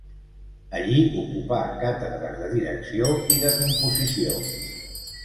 Allí ocupà càtedres de direcció i de composició.